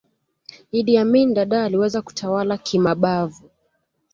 idd amin dada aliweza kutawala kimabavu